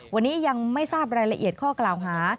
วันนี้ยังไม่ทราบรายละเอียดข้อกล่าวหา